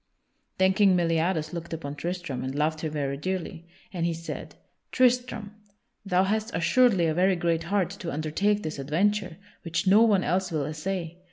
Then King Meliadus looked upon Tristram and loved him very dearly, and he said: "Tristram, thou hast assuredly a very great heart to undertake this adventure, which no one else will essay.